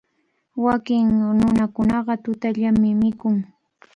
Wakin nunakunaqa tutallami mikun.